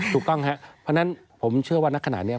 ถูกต้องครับเพราะฉะนั้นผมเชื่อว่านักขณะนี้